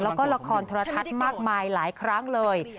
แล้วก็ละครโทรทัศน์มากมายหลายครั้งเลย